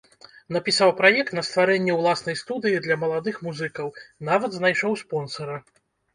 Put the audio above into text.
Напісаў праект на стварэнне ўласнай студыі для маладых музыкаў, нават знайшоў спонсара.